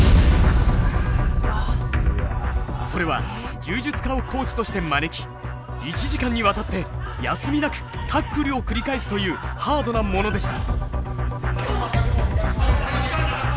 それは柔術家をコーチとして招き１時間にわたって休みなくタックルを繰り返すというハードなものでした。